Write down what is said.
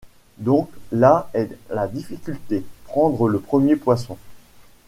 Donc, là est la difficulté: prendre le premier poisson!